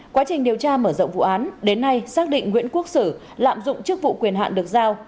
quá trình điều tra mở rộng vụ án đến nay xác định nguyễn quốc sử lạm dụng chức vụ quyền hạn được giao